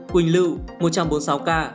quỳnh lưu một trăm bốn mươi sáu ca